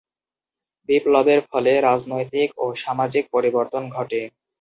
বিপ্লবের ফলে রাজনৈতিক ও সামাজিক পরিবর্তন ঘটে।